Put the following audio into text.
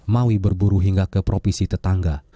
mawi berburu hingga ke provisi tetangga